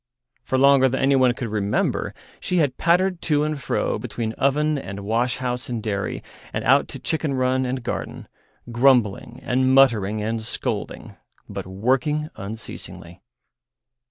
For longer than anyone could remember she had pattered to and fro between oven and wash house and dairy, and out to chicken run and garden, grumbling and muttering and scolding, but working unceasingly.